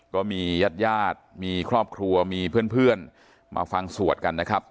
ก็มีญาติญาติมีครอบครัวมีเพื่อนมาฟังสวดกันนะครับ